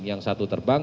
yang satu terbang